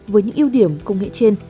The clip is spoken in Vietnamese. với những ưu điểm công nghệ trên